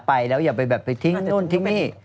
ไปแล้วอย่าไปแบบไปทิ้งนู่นทิ้งนี่